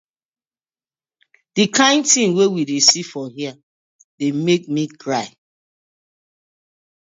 Di kin tin wey we dey see for here dey mek mi cry.